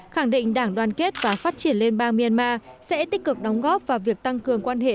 khẳng định đảng đoàn kết và phát triển lên bang myanmar sẽ tích cực đóng góp vào việc tăng cường quan hệ